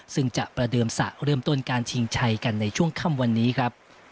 ซึ่งจะประเดิมสระเริ่มต้นการชิงชัยกันในช่วงค่ำวันนี้ครับ